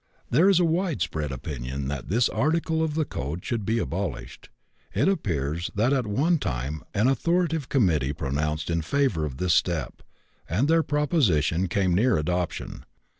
There is a widespread opinion that this article of the code should be abolished; it appears that at one time an authoritative committee pronounced in favor of this step, and their proposition came near adoption.